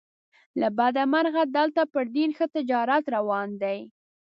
له بده مرغه دلته په دین ښه تجارت روان دی.